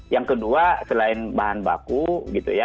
yang kedua selain bahan baku gitu ya